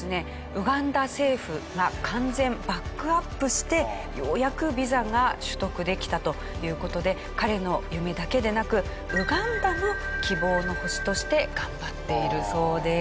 ウガンダ政府が完全バックアップしてようやくビザが取得できたという事で彼の夢だけでなくウガンダの希望の星として頑張っているそうです。